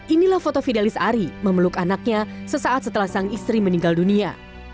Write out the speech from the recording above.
inilah foto fidelis ari memeluk anaknya sesaat setelah sang istri meninggal dunia